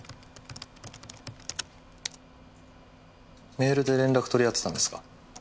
メールで連絡取り合ってたんですか？